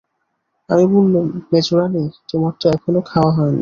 আমি বললুম, মেজোরানী, তোমার তো এখনো খাওয়া হয় নি।